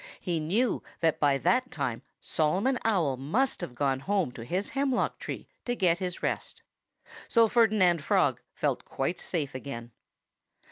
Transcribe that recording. He knew that by that time Solomon Owl must have gone home to his hemlock tree to get his rest. So Ferdinand Frog felt quite safe again.